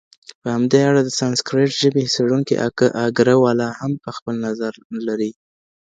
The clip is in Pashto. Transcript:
په همدې اړه د سانسکریټ ژبي څیړونکی اګره والا هم خپل نظر لري